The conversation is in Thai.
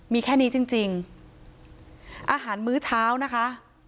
มีแค่นี้จริงจริงอาหารมื้อเช้านะคะ